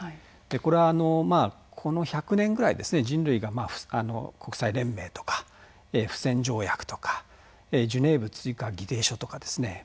これは、この１００年ぐらい人類が国際連盟とか不戦条約とかジュネーブ追加議定書とかですね。